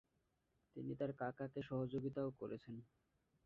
তিনি তার কাকাকে সহযোগিতাও করেছেন ।